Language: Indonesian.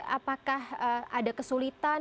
apakah ada kesulitan